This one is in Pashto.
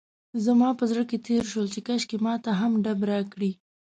زما په زړه کې تېر شول چې کاشکې ماته هم ډب راکړي.